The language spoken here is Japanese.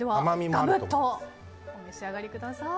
がぶっとお召し上がりください。